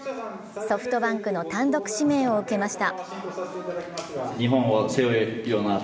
ソフトバンクの単独指名を受けました。